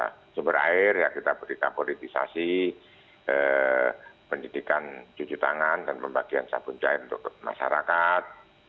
maksudnya ada sumber air kita beri kaporitisasi pendidikan cuci tangan dan pembagian sabun cair untuk masyarakat